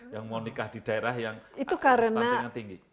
yang mau nikah di daerah yang stuntingnya tinggi